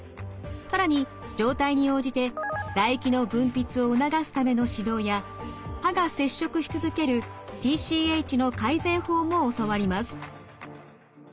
更に状態に応じて唾液の分泌を促すための指導や歯が接触し続けるＴＣＨの改善法も教わります。